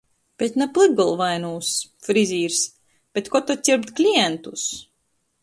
Bet na plykgolvainūs?... Frizers: - Bet kod tod cierpt klientus??